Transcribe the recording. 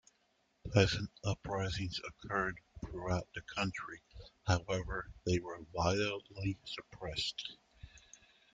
Peasant uprisings occurred throughout the country; however, they were violently suppressed.